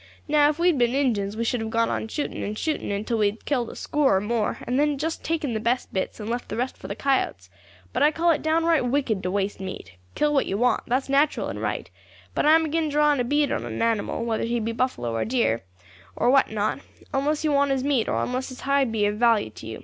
Now, if we had been Injins, we should have gone on shooting and shooting till we had killed a score or more, and then taken just the best bits, and left the rest for the coyotes; but I call it downright wicked to waste meat. Kill what you want that's natural and right; but I am agin drawing a bead on an animal, whether he be buffalo or deer, or what not, onless you want his meat, or onless his hide be of value to you.